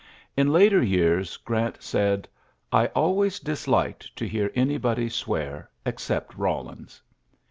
In later years Grant said, ^^I always disliked to hear anybody swear except Eawlins."